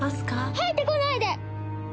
入ってこないで！